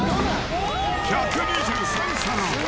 １２３皿。